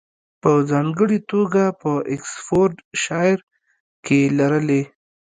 په ځانګړې توګه په اکسفورډشایر کې یې لرلې